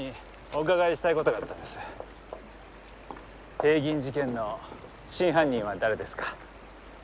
帝銀事件の真犯人は誰ですか？